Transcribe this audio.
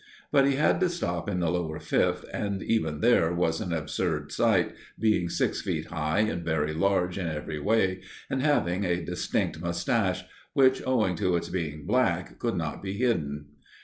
But he had to stop in the Lower Fifth, and even there was an absurd sight, being six feet high and very large in every way, and having a distinct moustache, which, owing to its being black, could not be hidden.